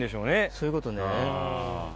そういうことね。